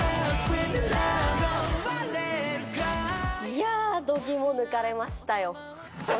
いやー、度肝抜かれましたよ。